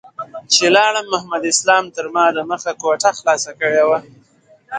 چې لاړم محمد اسلام تر ما دمخه کوټه خلاصه کړې وه.